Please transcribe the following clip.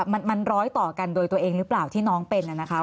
มันร้อยต่อกันโดยตัวเองหรือเปล่าที่น้องเป็นน่ะนะคะ